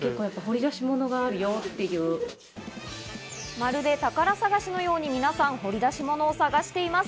まるで宝探しのように皆さん、掘り出し物を探しています。